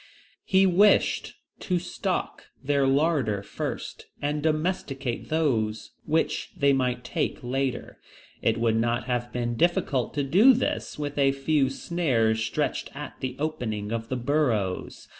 He wished to stock their larder first, and domesticate those which they might take later. It would not have been difficult to do this, with a few snares stretched at the openings of the burrows.